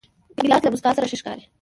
ګیلاس له موسکا سره ښه ښکاري.